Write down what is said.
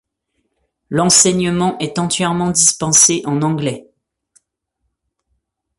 L’enseignement est entièrement dispensé en anglais.